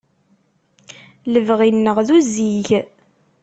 Lebɣi-nneɣ d uzzig.